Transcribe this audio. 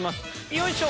よいしょ！